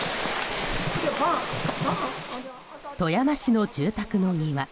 富山市の住宅の庭。